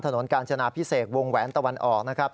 กาญจนาพิเศษวงแหวนตะวันออกนะครับ